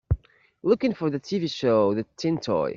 Looking for the TV show the Tin Toy